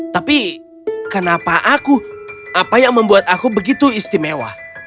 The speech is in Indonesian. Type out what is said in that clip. tapi kenapa aku apa yang membuat aku begitu istimewa